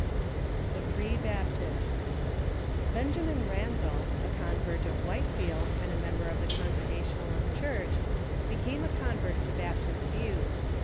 Benjamin Randall, a convert of Whitefiekl, and a member of the Congregationalist Church, became a convert to Baptist views.